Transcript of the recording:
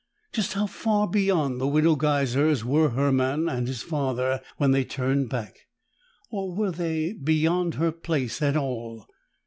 Just how far beyond the Widow Geiser's were Hermann and his father when they turned back? Or were they beyond her place at all?